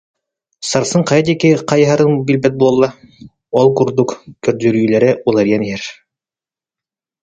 Сарсын хайа диэки хайыһарын билбэт буолла, ол курдук көрдөрүүлэрэ уларыйан иһэр